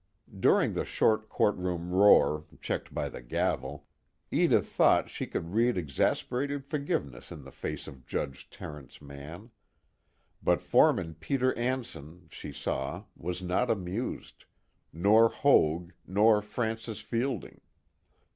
During the short courtroom roar, checked by the gavel, Edith thought she could read exasperated forgiveness in the face of Judge Terence Mann. But foreman Peter Anson, she saw, was not amused, nor Hoag, nor Francis Fielding.